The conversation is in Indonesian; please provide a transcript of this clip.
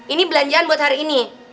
ini belanjaan buat hari ini